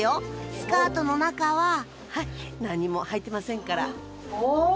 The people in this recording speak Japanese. スカートの中ははい何もはいてませんからお！